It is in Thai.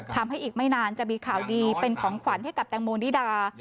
อีกไม่นานจะมีข่าวดีเป็นของขวัญให้กับแตงโมนิดา